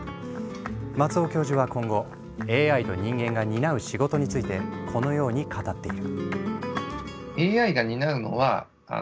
松尾教授は今後ＡＩと人間が担う仕事についてこのように語っている。